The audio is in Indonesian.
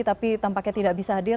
tapi tampaknya tidak bisa hadir